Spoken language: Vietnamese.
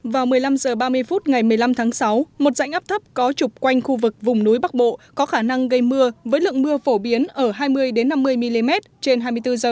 vào một mươi năm h ba mươi phút ngày một mươi năm tháng sáu một rãnh áp thấp có trục quanh khu vực vùng núi bắc bộ có khả năng gây mưa với lượng mưa phổ biến ở hai mươi năm mươi mm trên hai mươi bốn h